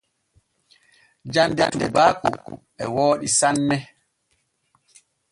Jande tuubaaku e wooɗi sanne.